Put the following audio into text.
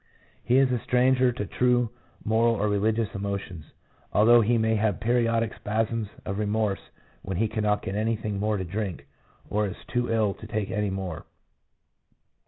He is a stranger to true moral or religious emotions, although he may have periodic spasms of remorse when he cannot get anything more to drink, or is too ill to take any more.